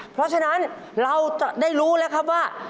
เพราะฉะนั้นเราจะได้รู้แล้วครับว่า